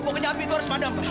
pokoknya api itu harus padam pak